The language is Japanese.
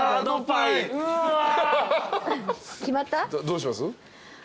どうします？